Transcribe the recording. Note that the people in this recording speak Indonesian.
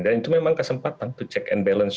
dan itu memang kesempatan untuk check and balance